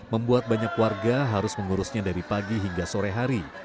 membuat banyak warga harus mengurusnya dari pagi hingga sore hari